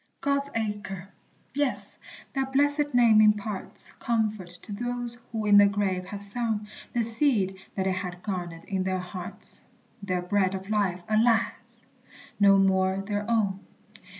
God's Acre! Yes, that blessed name imparts Comfort to those who in the grave have sown The seed that they had garnered in their hearts, Their bread of life, alas! no more their own.